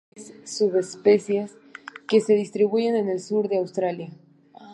Existen seis subespecies que se distribuyen en el sur de Australia.